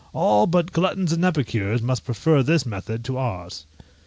All but gluttons and epicures must prefer this method to ours.